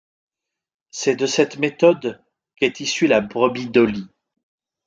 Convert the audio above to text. C'est de cette méthode qu'est issue la Brebis Dolly.